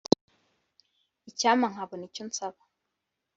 Icyampa nkabona icyo nsaba